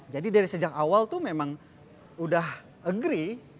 jadi dari sejak awal tuh memang udah agree